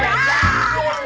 ya kelap pak d